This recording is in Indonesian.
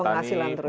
ada penghasilan terus